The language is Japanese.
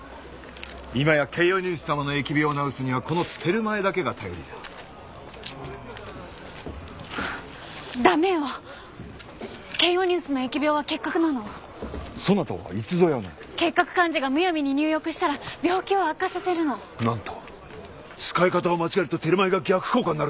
今やケイオニウス様の疫病を治すにはこのテルマエだけが頼りだダメよケイオニウスの疫病は結核なのそなたはいつぞやの結核患者がむやみに入浴したら病気を悪化させるのなんと使い方を間違えるとテルマエが逆効果になるというのか